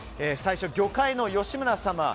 最初、魚介の吉村様。